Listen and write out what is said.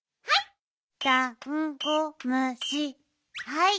はい！